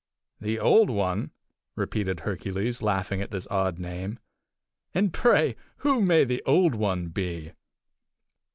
"The Old One!" repeated Hercules, laughing at this odd name. "And pray, who may the Old One be?"